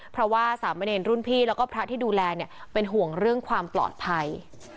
เพราะว่าสามเณรรุ่นพี่แล้วก็พระที่ดูแลเป็นห่วงเรื่องความปลอดภัย